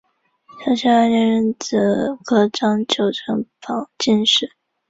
绍兴二年壬子科张九成榜进士。